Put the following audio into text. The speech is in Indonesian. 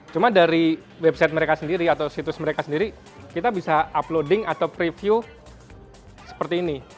cuma dari website mereka sendiri atau situs mereka sendiri kita bisa uploading atau preview seperti ini